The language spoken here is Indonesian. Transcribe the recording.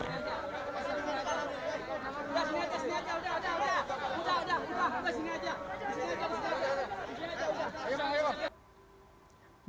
sudah sudah sudah